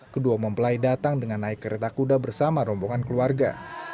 kedua mempelai datang dengan naik kereta kuda bersama rombongan keluarga